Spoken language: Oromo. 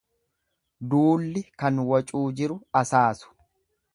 Duulli kan wacuu jiru asaasu.